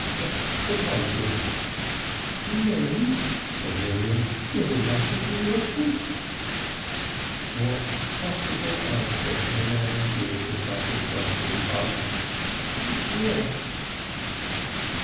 "Just suppose it!" "You mean," said Miriam, "you're in love with me, Elfrid?" What possible answer can a man give to such a question but "Yes!"